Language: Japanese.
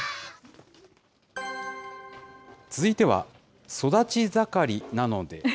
続いては育ち盛りなので。